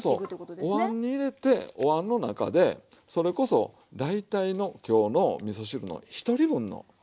おわんに入れておわんの中でそれこそ大体の今日のみそ汁の１人分の作り方ですよ。